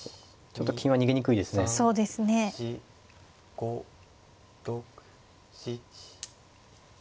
５６７。